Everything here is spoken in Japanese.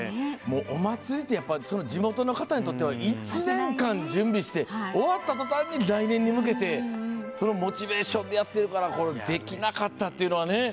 お祭りって、やっぱり地元の方にとっては１年間準備して終わったとたんに来年に向けてというモチベーションでやっているからできなかったっていうのは。